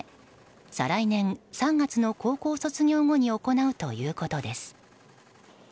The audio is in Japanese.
再来年３月の高校卒業後に行うということです。